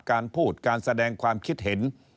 การพูดการแสดงความคิดเห็น